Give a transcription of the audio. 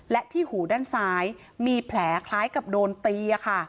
และที่หูด้านซ้ายมีแผลคล้ายกับโดนตี